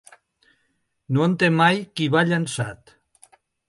No en té mai qui va llançat.